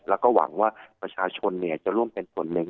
แล้วก็หวังว่าประชาชนจะร่วมเป็นส่วนหนึ่ง